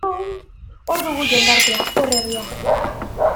Hor dugu jendartea, hor herria.